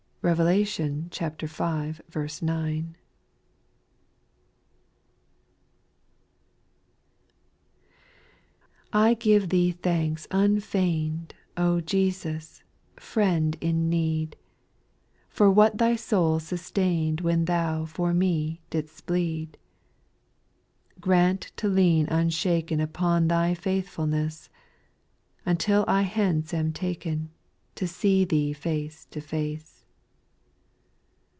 Eevelation v. 9. 1. T GIVE Thee thanks unfeigned, X O Jesus, Friend in need, For what Thy soul sustained "When Thou for me didst bleed. Grant to lean unshaken Upon Thy faithfulness, Until I hence am taken, To see Thee face to face.